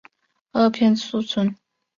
萼片宿存。